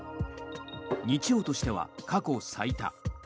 日曜としては過去最多。